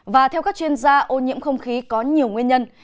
và theo các chuyên gia ô nhiễm không khí có nhiều nguyên nhân